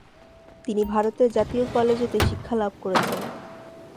তিনি ভারতের জাতীয় কলেজ হতে শিক্ষা লাভ করেছেন।